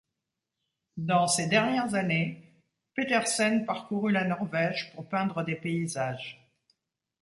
Dans ses dernières années, Peterssen parcouru la Norvège pour peindre des paysages.